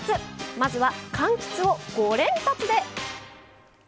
まずは、かんきつを５連発で！